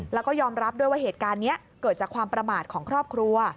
แล้วก็ยอมรับด้วยว่าเหตุการณ์นี้เกิดจากความประมาทของครอบครัว